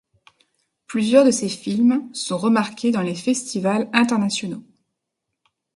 Plusieurs de ses films sont remarqués dans les festivals internationaux.